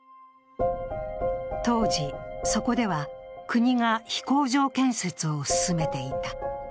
当時そこでは、国が飛行場建設を進めていた。